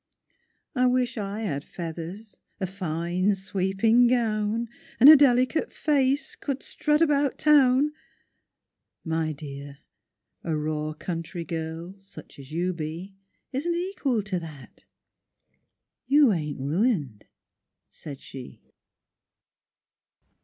—"I wish I had feathers, a fine sweeping gown, And a delicate face, and could strut about Town!"— "My dear—a raw country girl, such as you be, Isn't equal to that. You ain't ruined," said she.